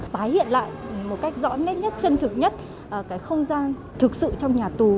tái hiện lại một cách rõ nét nhất chân thực nhất cái không gian thực sự trong nhà tù